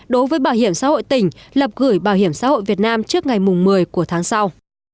đối với bảo hiểm xã hội tỉnh lập gửi bảo hiểm xã hội việt nam trước ngày một mươi của tháng sau